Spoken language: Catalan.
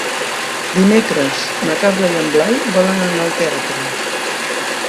Dimecres na Carla i en Blai volen anar al teatre.